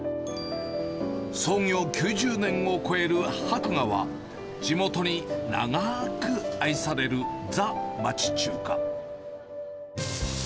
創業９０年を超える博雅は、地元に長ーく愛される、ザ町中華。